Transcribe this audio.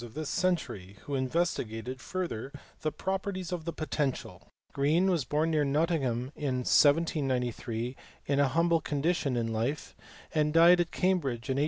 487 this century who investigated further the properties of the potential. Green was born near Nottingham in 1793 in a humble condition in life, and died at Cambridge in 1841.